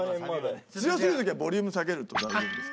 強過ぎる時はボリューム下げると大丈夫です。